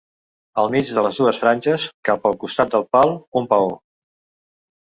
Al mig de les dues franges, cap al costat del pal, un paó.